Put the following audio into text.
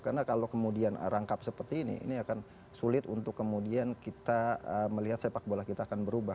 karena kalau kemudian rangkap seperti ini ini akan sulit untuk kemudian kita melihat sepak bola kita akan berubah